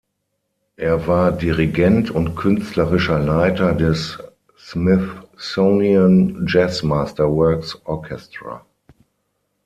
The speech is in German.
Er war Dirigent und künstlerischer Leiter des "Smithsonian Jazz Masterworks Orchestra".